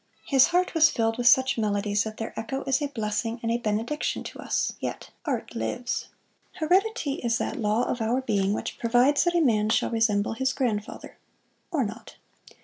His heart was filled with such melodies that their echo is a blessing and a benediction to us yet. Art lives! Heredity is that law of our being which provides that a man shall resemble his grandfather or not.